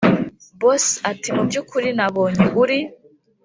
boss ati” mubyukuri nabonye uri